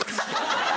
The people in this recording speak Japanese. ハハハ。